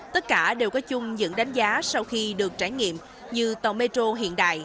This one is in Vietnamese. tất cả đều có chung những đánh giá sau khi được trải nghiệm như tàu metro hiện đại